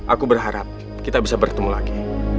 aku berharap kita bisa bertemu lagi